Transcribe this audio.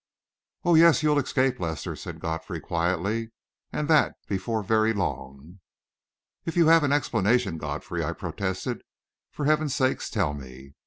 "Oh, yes, you'll escape, Lester," said Godfrey, quietly, "and that before very long." "If you have an explanation, Godfrey," I protested, "for heaven's sake tell me!